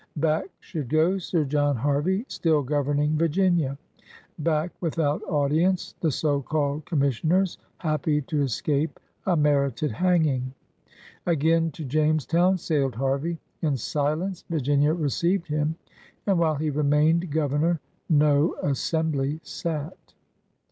Back should go Sir John Harvey, still governing Virginia; back without audience the so called com missioners, happy to escape a merited hanging! Again to Jamestown sailed Harvey. In silence Virginia received |iim, and while he remained Governor no Assembly sat.